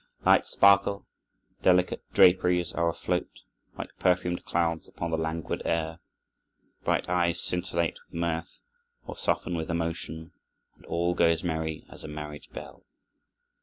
Lights sparkle, delicate draperies are afloat, like perfumed clouds, upon the languid air, bright eyes scintillate with mirth or soften with emotion, and "All goes merry as a marriage bell."